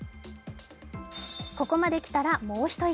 ここまできたら、もう一息。